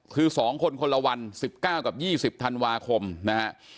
คือ๒คนคนละวัน๑๙กับ๒๐ธันวาคมนะฮะ